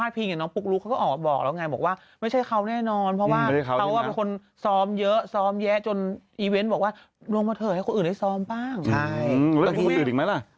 มีหลังงามเขาได้พฤตะวุฒิกันบทนะครับ